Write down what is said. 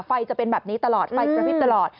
จะเป็นแบบนี้ตลอดไฟกระพริบตลอด